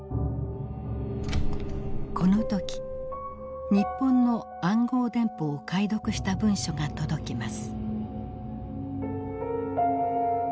この時日本の暗号電報を解読した文書が届きます。